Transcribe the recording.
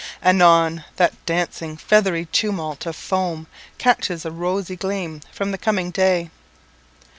Anon, that dancing feathery tumult of foam catches a rosy gleam from the coming day.